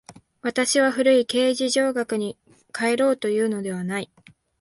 私は古い形而上学に還ろうというのではない。